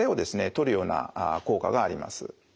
とるような効果があります。